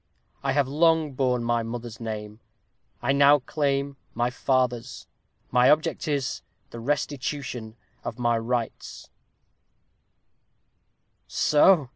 I have long borne my mother's name. I now claim my father's. My object is, the restitution of my rights."